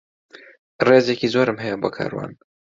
ڕێزێکی زۆرم هەیە بۆ کاروان.